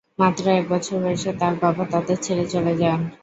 মাত্র এক বছর বয়সে তাঁর বাবা তাঁদের ছেড়ে চলে যান।